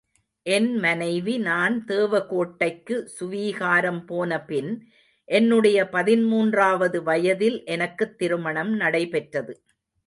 என் மனைவி நான் தேவகோட்டைக்கு சுவீகாரம் போன பின் என்னுடைய பதிமூன்றாவது வயதில் எனக்குத் திருமணம் நடைபெற்றது.